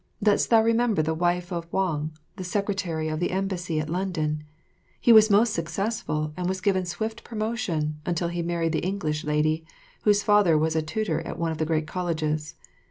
Dost thou remember the wife of Wang, the secretary of the embassy at London? He was most successful and was given swift promotion until he married the English lady, whose father was a tutor at one of the great colleges.